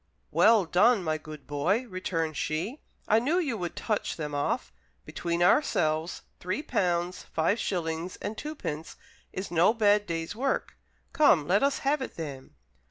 "Well done, my good boy," returned she, "I knew you would touch them off. Between ourselves, three pounds, five shillings, and twopence is no bad day's work. Come, let us have it then."